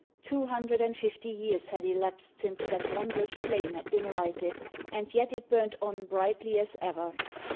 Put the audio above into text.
Two hundred and fifty years had elapsed since that wondrous flame had been lighted, and yet it burnt on brightly as ever.